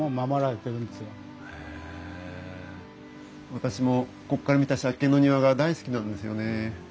私もこっから見た借景の庭が大好きなんですよね。